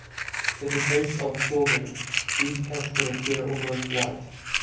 In the case of Silvers, these cats can appear almost white.